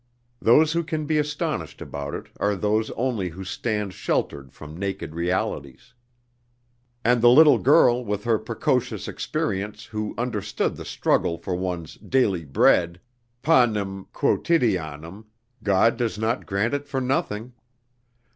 Those who can be astonished about it are those only who stand sheltered from naked realities. And the little girl with her precocious experience who understood the struggle for one's daily bread panem quotidianum ... (God does not grant it for nothing!)